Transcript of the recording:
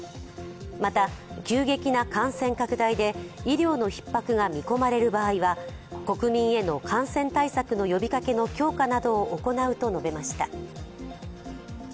また、急激な感染拡大で医療のひっ迫が見込まれる場合は国民への感染対策の呼びかけの強化などを行うと述べました。